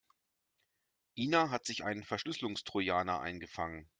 Ina hat sich einen Verschlüsselungstrojaner eingefangen.